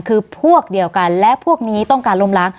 คือพวกเดียวกันและพวกนี้ต้องการล้มล้าง